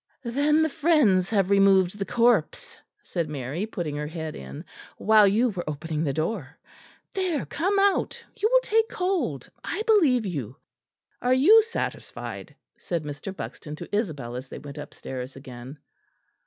"Then the friends have removed the corpse," said Mary, putting her head in, "while you were opening the door. There! come out; you will take cold. I believe you." "Are you satisfied?" said Mr. Buxton to Isabel, as they went upstairs again.